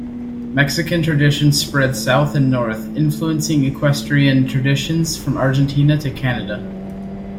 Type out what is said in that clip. Mexican traditions spread both South and North, influencing equestrian traditions from Argentina to Canada.